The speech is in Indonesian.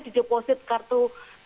di deposit kartu